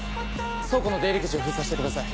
倉庫の出入り口を封鎖してください。